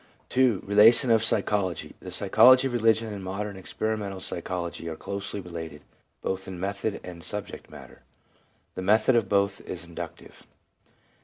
2. Relation to Psychology. — The psychology of re ligion and modern experimental psychology are closely related both in method and subject matter. The method of both is inductive.